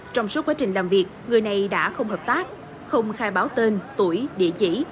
trong suốt quá trình làm việc người này đã không hợp tác không khai báo tên tuổi địa chỉ